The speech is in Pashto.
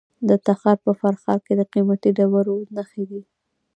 د تخار په فرخار کې د قیمتي ډبرو نښې دي.